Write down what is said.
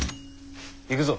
行くぞ。